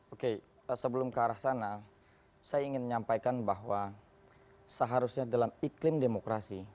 oke sebelum ke arah sana saya ingin menyampaikan bahwa seharusnya dalam iklim demokrasi